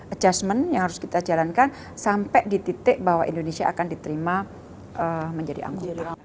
adjustment yang harus kita jalankan sampai di titik bahwa indonesia akan diterima menjadi anggota